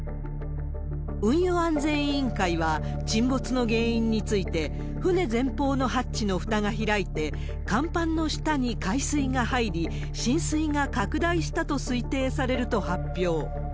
運輸安全委員会は、沈没の原因について、船前方のハッチのふたが開いて、甲板の下に海水が入り、浸水が拡大したと推定されると発表。